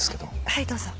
はいどうぞ。